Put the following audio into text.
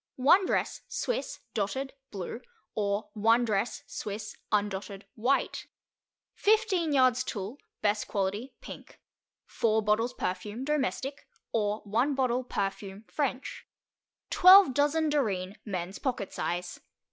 1 Dress, Swiss, Dotted, blue, or 1 Dress, Swiss, undotted, white. 15 yards Tulle, best quality, pink. 4 bottles perfume, domestic, or 1 bottle, perfume, French. 12 Dozen Dorine, men's pocket size.